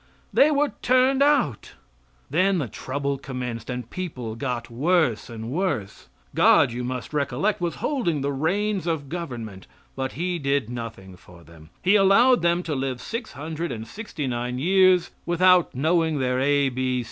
They were turned out. Then the trouble commenced, and people got worse and worse. God, you must recollect, was holding the reins of government, but He did nothing for them. He allowed them to live six hundred and sixty nine years without knowing their A.